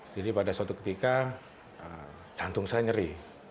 jadi pada suatu ketika jantung saya nyeri